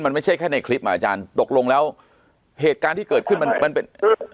มันไม่ใช่แค่ในคลิปอ่ะอาจารย์ตกลงแล้วเหตุการณ์ที่เกิดขึ้นมันมันเป็น